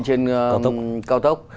trên đường cao tốc